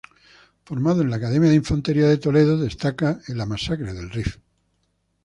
Formado en la Academia de Infantería de Toledo destaca en la guerra del Rif.